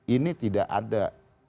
ini tidak ada